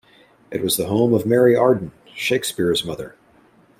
It was the home of Mary Arden, Shakespeare's mother.